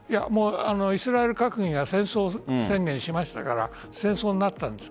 イスラエル閣議が戦争宣言しましたから戦争になったんです。